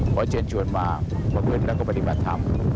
ขอเชิญชวนมาประพุทธและปฏิบัติธรรม